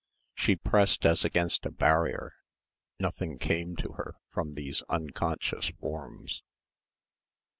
She pressed as against a barrier. Nothing came to her from these unconscious forms.